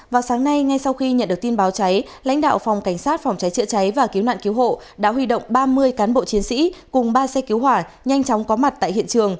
vào sáng nay ngay sau khi nhận được tin báo cháy lãnh đạo phòng cảnh sát phòng cháy chữa cháy và cứu nạn cứu hộ đã huy động ba mươi cán bộ chiến sĩ cùng ba xe cứu hỏa nhanh chóng có mặt tại hiện trường